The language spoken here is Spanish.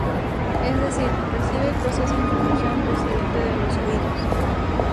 Es decir, recibe y procesa información procedente de los oídos.